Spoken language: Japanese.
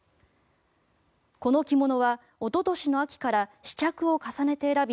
この着物は、おととしの秋から試着を重ねて選び